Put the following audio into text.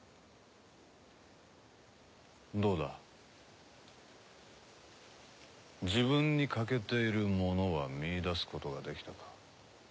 どうだ自分に欠けているものは見いだすことができたか？